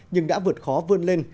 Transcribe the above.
nhưng đã vượt khó vươn lên